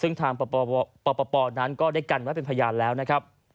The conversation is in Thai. ซึ่งทางปปนั้นก็ได้กันไว้เป็นพยานแล้วนะครับ